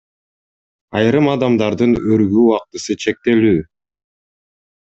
Айрым адамдардын өргүү убактысы чектелүү.